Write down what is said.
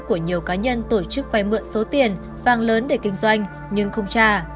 của nhiều cá nhân tổ chức phải mượn số tiền vang lớn để kinh doanh nhưng không trả